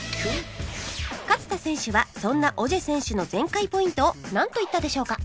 勝田選手はそんなオジェ選手の全開ポイントをなんと言ったでしょうか？